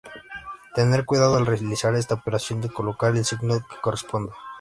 Tener cuidado al realizar esta operación de colocar el signo que corresponda.